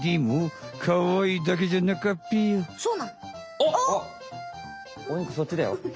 お肉そっちだよ。